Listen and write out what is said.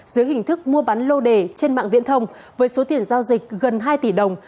dưới hình thức mua bán lô đề trên mạng viễn thông với số tiền giao dịch gần hai tỷ đồng